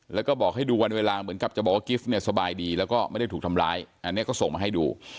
แล้วก็บอกให้ดูวันเวลาเหมือนกับจะบอกว่ากิฟต์เนี่ยสบายดีแล้วก็ไม่ได้ถูกทำร้ายอันนี้ก็ส่งมาให้ดู